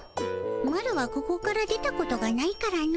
マロはここから出たことがないからの。